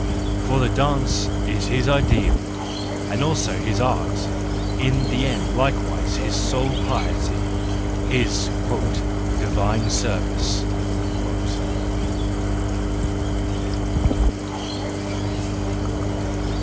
For the dance is his ideal, and also his art, in the end likewise his sole piety, his " divine service." ...